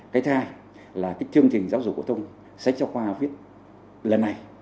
cái thứ hai là cái chương trình giáo dục của tung sách giáo khoa viết lần này